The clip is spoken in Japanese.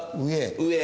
上。